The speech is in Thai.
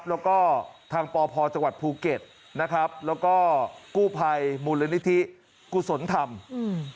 แล้วก็ทางปพจังหวัดภูเก็ตนะครับแล้วก็กู้ภัยมูลนิธิกุศลธรรมอืม